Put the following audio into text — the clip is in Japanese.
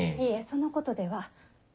いえそのことでは。